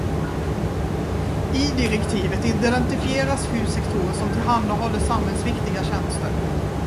I direktivet identifieras sju sektorer som tillhandahåller samhällsviktiga tjänster.